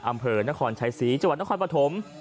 อำเภอนครชัยศรีจังหวัดนครปฐม